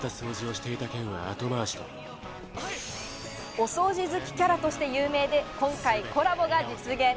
お掃除好きキャラとして有名で、今回コラボが実現。